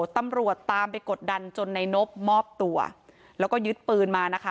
ตำรวจตามไปกดดันจนในนบมอบตัวแล้วก็ยึดปืนมานะคะ